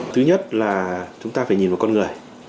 thứ nhất là chúng ta phải nhìn vào con người